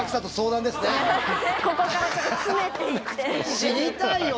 知りたい！